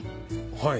はい。